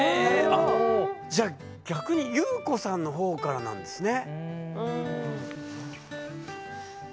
あっじゃあ逆にゆうこさんの方からなんですね。